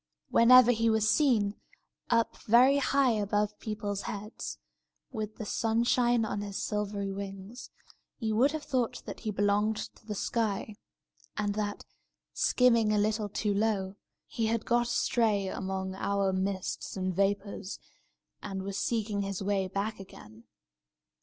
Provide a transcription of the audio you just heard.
Whenever he was seen, up very high above people's heads, with the sunshine on his silvery wings, you would have thought that he belonged to the sky, and that, skimming a little too low, he had got astray among our mists and vapours, and was seeking his way back again.